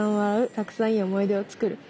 「たくさん良い思い出をつくる」。